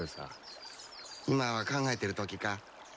今は考えてるときか？